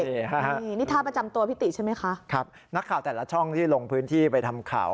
นี่นี่ท่าประจำตัวพี่ติใช่ไหมคะ